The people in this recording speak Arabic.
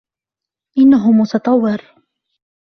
انه متطور.